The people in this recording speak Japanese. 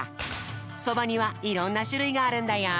そばにはいろんなしゅるいがあるんだよ！